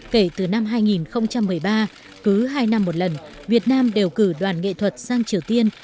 kể từ năm hai nghìn một mươi ba cứ hai năm một lần việt nam đều cử đoàn nghệ thuật sang triều tiên